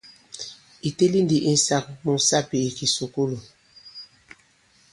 Ì teli ndi insāk mu sapì i kìsùkulù.